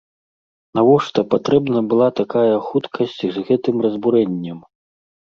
Навошта патрэбна была такая хуткасць з гэтым разбурэннем?